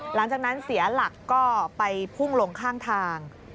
หลังจากนั้นเสียหลักก็ไปพุ่งลงข้างทาง